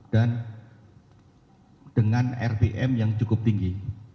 dan dengan rpm yang cukup tinggi